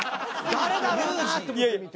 誰だろうな？と思って見て。